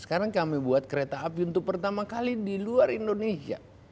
sekarang kami buat kereta api untuk pertama kali di luar indonesia